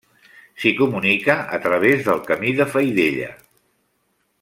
S'hi comunica a través del Camí de Faidella.